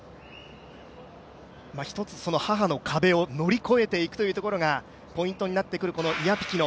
一つ、母の壁を乗り越えていくというところが大事なイアピキノ。